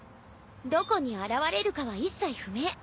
どこに現れるかは一切不明。